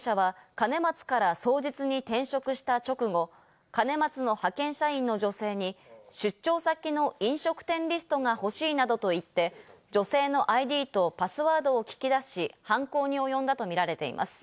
眞鍋容疑者は兼松から双日に転職した直後、兼松の派遣社員の女性に、出張先の飲食店リストが欲しいなどといって、女性のＩＤとパスワードを聞き出し、犯行に及んだとみられています。